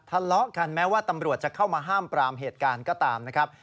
ทะเลาะกันแม้ว่าตำรวจจะเข้ามาห้ามปรามเหตุการณ์ก็ตามนะครับ